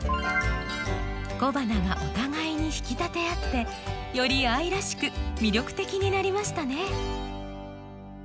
小花がお互いに引き立て合ってより愛らしく魅力的になりましたね。